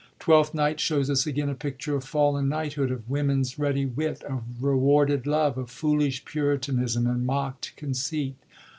Twelfth Night shows us again a picture of fallen knighthood, of woman's ready wit, of rewarded love, of foolish puritan ism and mockt conceit.